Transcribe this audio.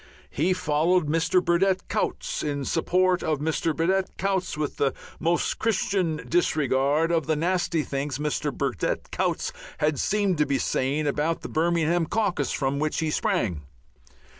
He followed Mr. Burdett Coutts, in support of Mr. Burdett Coutts, with the most Christian disregard of the nasty things Mr. Burdett Coutts had seemed to be saying about the Birmingham caucus from which he sprang.